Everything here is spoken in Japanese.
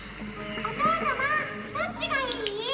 おとーさまどっちがいい？